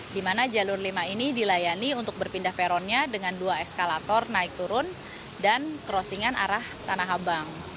dimana jalur lima ini dilayani untuk berpindah peronnya dengan dua eskalator naik turun dan crossing an arah tanah abang